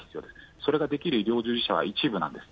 それができる医療従事者は一部なんです。